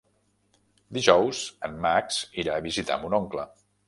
Dijous en Max irà a visitar mon oncle.